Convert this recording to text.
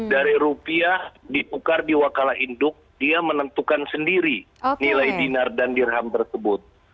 dari rupiah ditukar di wakala induk dia menentukan sendiri nilai dinar dan dirham tersebut